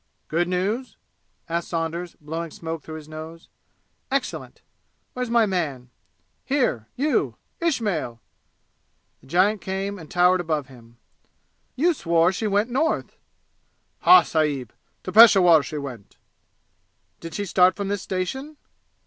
"Good news?" asked Saunders, blowing smoke through his nose. "Excellent. Where's my man? Here you Ismail!" The giant came and towered above him. "You swore she went North!" "Ha, sahib! To Peshawur she went!" "Did she start from this station?"